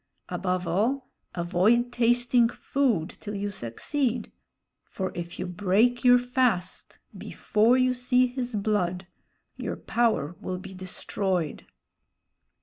Above all, avoid tasting food till you succeed; for if you break your fast before you see his blood, your power will be destroyed."